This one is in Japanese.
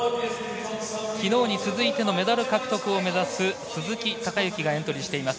昨日に続いてのメダル獲得を目指す鈴木孝幸がエントリーしています